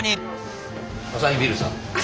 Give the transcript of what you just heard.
アサヒビールさん。